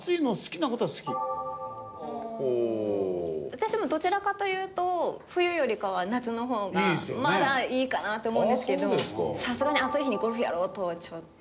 私もどちらかというと冬よりかは夏の方がまだいいかなって思うんですけどさすがに暑い日にゴルフやろうとはちょっと。